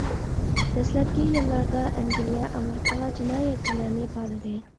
دەسلەپكى يىللاردا ئەنگلىيە ئامېرىكىغا جىنايەتچىلەرنى پالىدى.